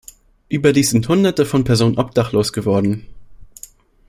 Überdies sind hunderte von Personen obdachlos geworden.